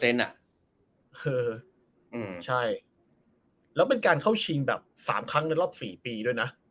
ใช่แล้วเป็นการเข้าชิงแบบ๓ครั้งในรอบ๔ปีด้วยนะ